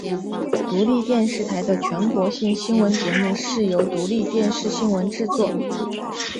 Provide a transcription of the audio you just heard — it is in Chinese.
独立电视台的全国性新闻节目是由独立电视新闻制作。